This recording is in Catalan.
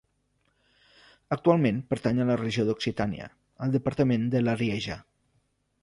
Actualment pertany a la regió d'Occitània, al departament de l'Arieja.